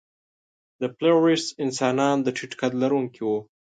د فلورېس انسانان د ټیټ قد لرونکي وو.